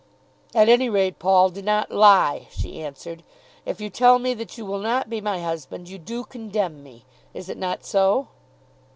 "At any rate, Paul, do not lie," she answered. "If you tell me that you will not be my husband, you do condemn me. Is it not so?"